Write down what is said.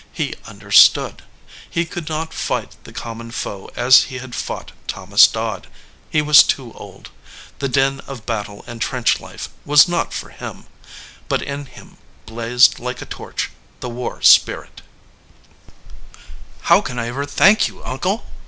He understood. He could not fight the common foe as he had fought Thomas Dodd; he was too old. The din of battle and trench life was not for him, but in him blazed like a torch the war spirit. 230 BOTH CHEEKS "How can I ever thank you, uncle?"